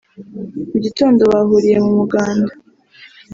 Mu gitondo bahuriye mu Umuganda